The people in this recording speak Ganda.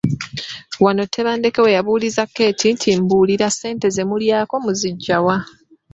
Wano Tebandeke we yabuuliza Keeti nti, “Mbuulira, ssente ze mulyako muziggya wa?''